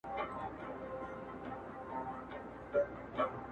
هغه کسان چي کوزدې